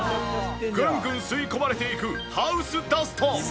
ぐんぐん吸い込まれていくハウスダスト。